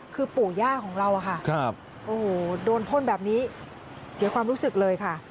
คือปู่ย่าของเราอะค่ะโอ้โหโดนพ่นแบบนี้เสียความรู้สึกเลยค่ะ